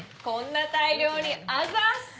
こんな大量にあざす！